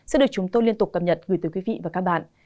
sẽ được chúng tôi liên tục cập nhật gửi tới quý vị và các bạn